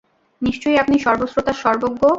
নিশ্চয়ই আপনি সর্বশ্রোতা সর্বজ্ঞ।